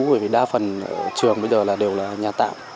bởi vì đa phần trường bây giờ là đều là nhà tạm